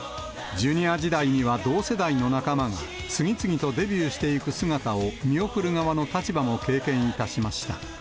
Ｊｒ．時代には同世代の仲間が次々とデビューしていく姿を見送る側の立場も経験いたしました。